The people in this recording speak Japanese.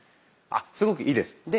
すごくいいです。